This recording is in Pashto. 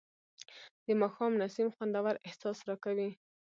د ماښام نسیم خوندور احساس راکوي